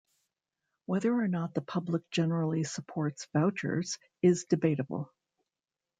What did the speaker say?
Whether or not the public generally supports vouchers is debatable.